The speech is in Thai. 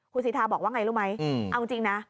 คุณสิทธาบอกว่าไงรู้ไหมเอาจริงนะ